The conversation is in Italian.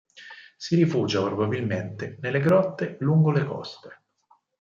Si rifugia probabilmente nelle grotte lungo le coste.